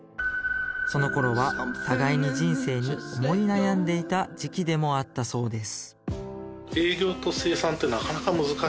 その頃は互いに人生に思い悩んでいた時期でもあったそうです